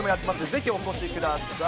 ぜひお越しください。